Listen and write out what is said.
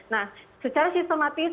nah secara sistematis